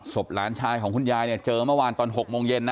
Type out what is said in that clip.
หลานชายของคุณยายเนี่ยเจอเมื่อวานตอน๖โมงเย็นนะ